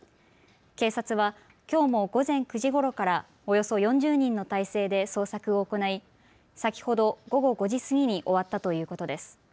警察はきょうも午前９時ごろからからおよそ４０人の態勢で捜索を行い先ほど午後５時過ぎに終わったということです。